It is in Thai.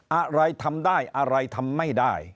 อะไรทำได้อะไรทำไม่ได้